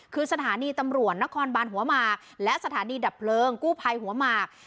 คือสถานีตำรวจนครบานหัวหมากและสถานีดับเพลิงกู้ภัยหัวหมาก